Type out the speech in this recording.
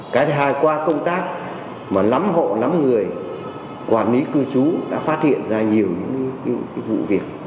cái thứ hai qua công tác mà lắm hộ lắm người quản lý cư trú đã phát hiện ra nhiều những vụ việc